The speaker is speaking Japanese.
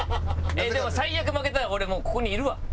でも最悪負けたら俺もうここにいるわ。